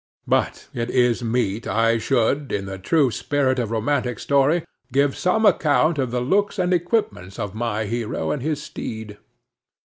But it is meet I should, in the true spirit of romantic story, give some account of the looks and equipments of my hero and his steed.